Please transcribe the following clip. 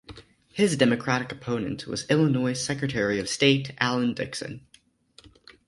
His Democratic opponent was Illinois Secretary of State Alan Dixon.